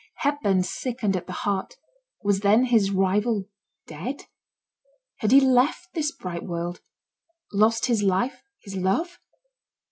Hepburn sickened at the heart; was then his rival dead? had he left this bright world? lost his life his love?